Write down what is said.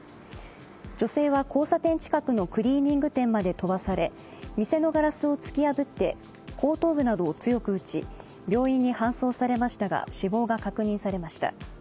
女性は交差点近くのクリーニング店まで飛ばされ店のガラスを突き破って後頭部などを強く打ち病院に搬送されましたが死亡が確認されました。